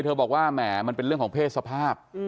บอกว่าแหมมันเป็นเรื่องของเพศสภาพ